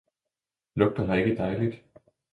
Lugter her ikke dejligt!